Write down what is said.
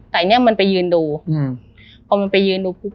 แต่เนี้ยมันไปยืนดูอืมพอมันไปยืนดูปุ๊บ